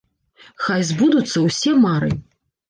Хай збудуцца ўсе мары!